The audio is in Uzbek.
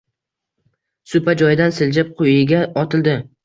Supa joyidan siljib, quyiga otildi.